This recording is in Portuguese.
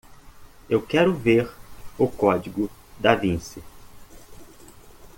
Eu quero ver o código Da Vinci